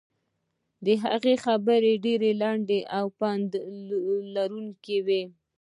د هغه خبرې ډېرې لنډې او پند لرونکې وې.